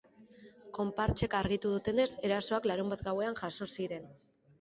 Konpartsek argitu dutenez, erasoak larunbat gauean jazo ziren.